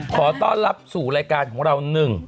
ขอต้อนรับสู่รายการของเราหนึ่ง